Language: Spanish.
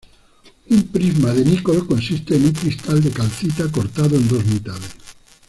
Un prisma de Nicol consiste en un cristal de calcita cortado en dos mitades.